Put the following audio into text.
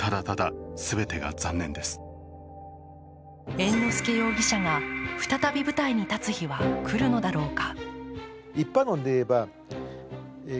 猿之助容疑者が再び舞台に立つ日は来るのだろうか。